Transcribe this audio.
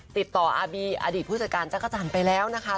อาร์บีอดีตผู้จัดการจักรจันทร์ไปแล้วนะคะ